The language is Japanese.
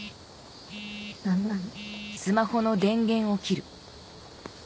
何なの。